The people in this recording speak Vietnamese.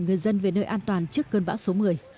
người dân về nơi an toàn trước cơn bão số một mươi